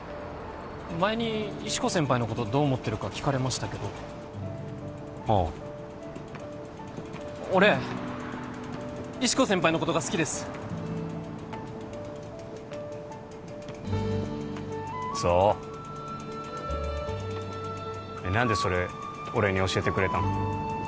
前に石子先輩のことどう思ってるか聞かれましたけどああ俺石子先輩のことが好きですそうで何でそれ俺に教えてくれたの？